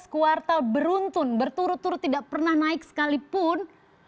kuartal beruntun berturut turut tidak pernah naik sekalipun